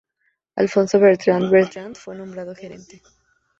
Alfonso Bertrand Bertrand fue nombrado gerente.